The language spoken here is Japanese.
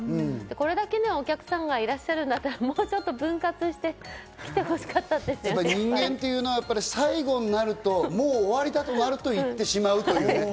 これだけのお客さんがいらっしゃるんだったら、もっと分割して来人間っていうのは最後になるともう終わりだとなると行ってしまうという。